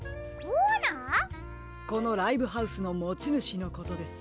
このライブハウスのもちぬしのことです。